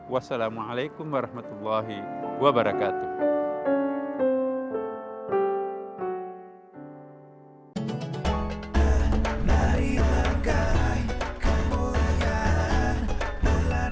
wassalamualaikum warahmatullahi wabarakatuh